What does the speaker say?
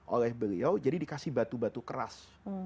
oleh beliau jadi dikasih batu batu keras